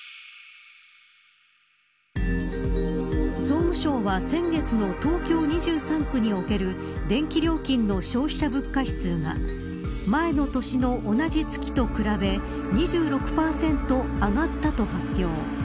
総務省は先月の東京２３区における電気料金の消費者物価指数が前の年の同じ月と比べ２６％上がったと発表。